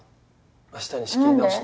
明日に仕切り直し。